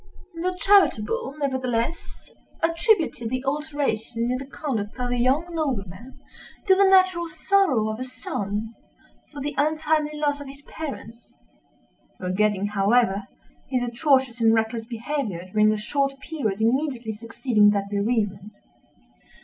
The charitable, nevertheless, attributed the alteration in the conduct of the young nobleman to the natural sorrow of a son for the untimely loss of his parents—forgetting, however, his atrocious and reckless behavior during the short period immediately succeeding that bereavement.